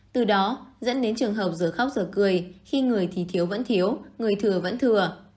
từ đó dẫn đến trường hợp rửa khóc giờ cười khi người thì thiếu vẫn thiếu người thừa vẫn thừa